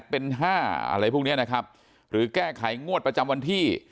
เป็น๕อะไรพวกนี้นะครับหรือแก้ไขงวดประจำวันที่